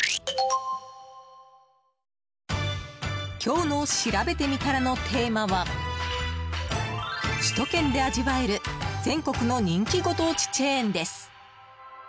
今日のしらべてみたらのテーマは首都圏で味わえる全国の人気ご当地チェーンです。